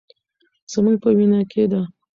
زموږ په وینه کې ده.